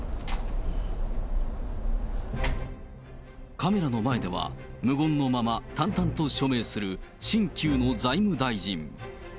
カメラの前では、無言のまま、淡々と署名する新旧の財務大臣。